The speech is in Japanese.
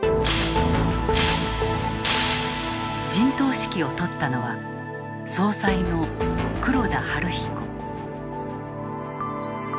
陣頭指揮を執ったのは総裁の黒田東彦。